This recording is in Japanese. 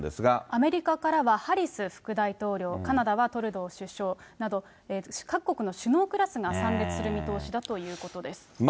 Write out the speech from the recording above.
アメリカからはハリス副大統領、カナダはトルドー首相など、各国の首脳クラスが参列する見通しだということです。